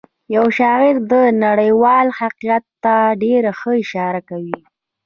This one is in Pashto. یو شاعر دغه نړیوال حقیقت ته ډېره ښه اشاره کوي